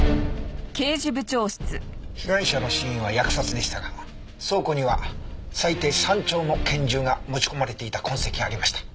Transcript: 被害者の死因は扼殺でしたが倉庫には最低３丁の拳銃が持ち込まれていた痕跡がありました。